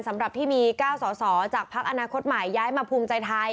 สำหรับที่มี๙สอสอจากพักอนาคตใหม่ย้ายมาภูมิใจไทย